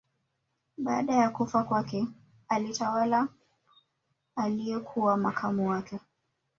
Baada ya kufa kwake alitawala aliyekuwa makamu wake